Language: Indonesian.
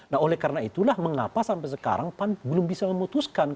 nah oleh karena itulah mengapa sampai sekarang pan belum bisa memutuskan